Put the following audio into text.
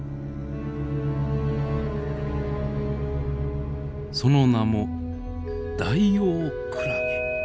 その名もダイオウクラゲ。